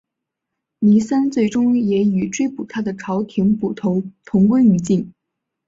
倪三最终也与追捕他的朝廷捕头同归于尽。